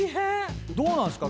どうなんすか？